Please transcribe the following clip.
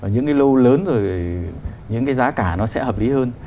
những cái lô lớn rồi những cái giá cả nó sẽ hợp lý hơn